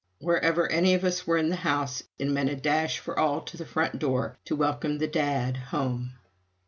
Wherever any of us were in the house, it meant a dash for all to the front door to welcome the Dad home.